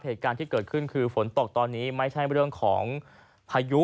เหตุการณ์ที่เกิดขึ้นคือฝนตกตอนนี้ไม่ใช่เรื่องของพายุ